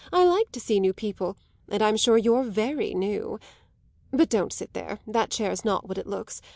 I like to see new people, and I'm sure you're very new. But don't sit there; that chair's not what it looks.